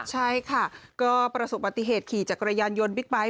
ใช่ค่ะก็ประสบปฏิเหตุขี่จักรยานยนต์บิ๊กไบท์